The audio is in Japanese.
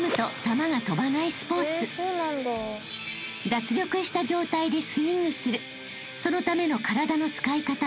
［脱力した状態でスイングするそのための体の使い方］